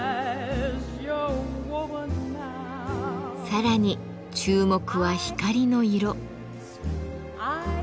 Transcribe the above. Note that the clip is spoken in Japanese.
さらに注目は光の色。